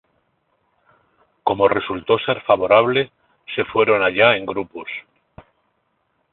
Como resultó ser favorable, se fueron allá en grupos.